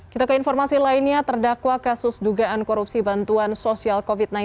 kita ke informasi lainnya terdakwa kasus dugaan korupsi bantuan sosial covid sembilan belas